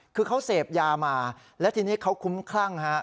คือเขาเสพยามาแล้วทีนี้เขาคุ้มคลั่งฮะ